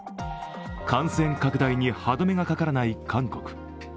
感染拡大に歯止めがかからない韓国。